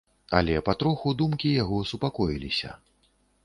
Але патроху думкі яго супакоіліся.